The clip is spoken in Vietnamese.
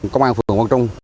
công an phường quang trung